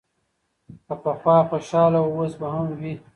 که پخوا خوشاله و، اوس به هم وي.